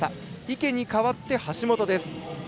池に代わって橋本です。